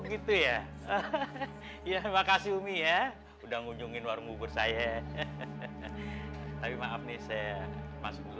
gitu ya ya makasih umi ya udah ngunjungin warung bubur saya tapi maaf nih saya masuk dulu